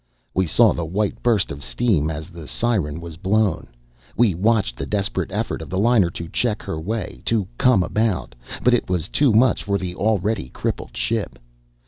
We saw the white burst of steam as the siren was blown. We watched the desperate effort of the liner to check her way, to come about. But it was too much for the already crippled ship.